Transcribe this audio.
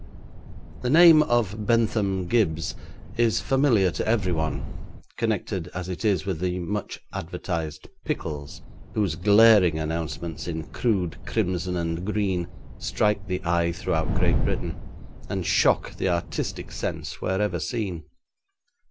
The name of Bentham Gibbes is familiar to everyone, connected as it is with the much advertised pickles, whose glaring announcements in crude crimson and green strike the eye throughout Great Britain, and shock the artistic sense wherever seen.